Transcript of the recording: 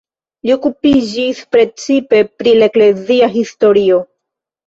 Li okupiĝis precipe pri la eklezia historio.